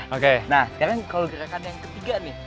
oke nah sekarang kalau gerakan yang ketiga nih